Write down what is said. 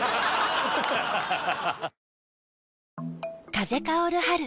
風薫る春。